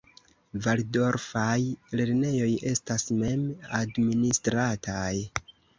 Valdorfaj lernejoj estas mem-administrataj.